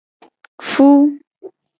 Fu.